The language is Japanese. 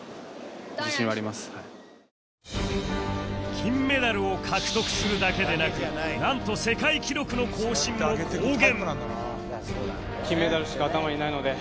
金メダルを獲得するだけでなくなんと世界記録の更新も公言